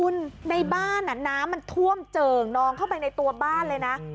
คุณในบ้านน้ำมันท่วมเจิ่งนองเข้าไปในตัวบ้านเลยนะ